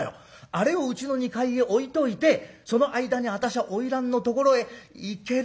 あれをうちの２階へ置いといてその間に私は花魁のところへ行ける行ける！